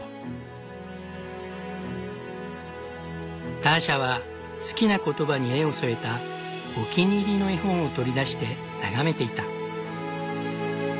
ターシャは好きな言葉に絵を添えたお気に入りの絵本を取り出して眺めていた。